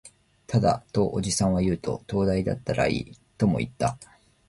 ただ、とおじさんは言うと、灯台だったらいい、とも言った